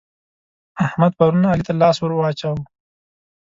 احمد پرون علي ته لاس ور واچاوو.